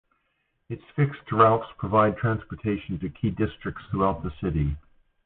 Its fixed routes provide transportation to key districts throughout the city.